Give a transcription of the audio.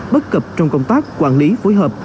bất cập trong công tác quản lý phối hợp